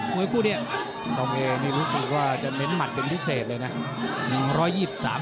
วยคู่นี้ต้องเอนี่รู้สึกว่าจะเน้นหมัดเป็นพิเศษเลยนะ